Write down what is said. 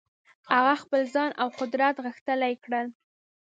هغه خپل ځان او قدرت غښتلي کړل.